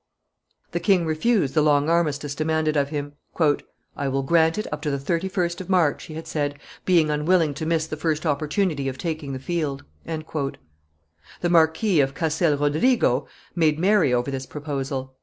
The king refused the long armistice demanded of him. "I will grant it up to the 31st of March," he had said, "being unwilling to miss the first opportunity of taking the field." The Marquis of Castel Rodriguo made merry over this proposal.